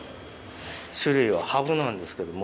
種類はハブなんですけども。